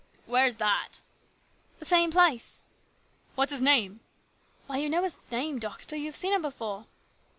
" Where's that ?"" The same place." " What's his name ?" "Why, you know his name, doctor. You have seen him before."